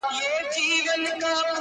ددې ښـــــار څــــو ليونـيـو~